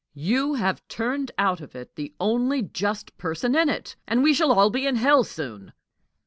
"You have turned out of it the only just person in it, and we shall all be in hell soon!"